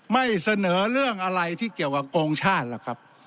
ไม่เสนอเรื่องอะไรที่เกี่ยวกับโกงชาติหรอกครับ